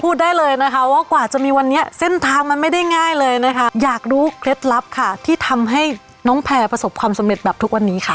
ได้เลยนะคะว่ากว่าจะมีวันนี้เส้นทางมันไม่ได้ง่ายเลยนะคะอยากรู้เคล็ดลับค่ะที่ทำให้น้องแพร่ประสบความสำเร็จแบบทุกวันนี้ค่ะ